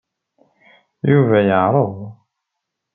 Yuba yeɛreḍ.